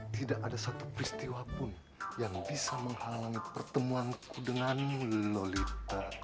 tidak ada satu peristiwa pun yang bisa menghalangi pertemuanku denganmu lolita